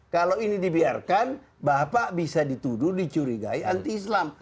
kalau ini dibiarkan bapak bisa dituduh dicurigai anti islam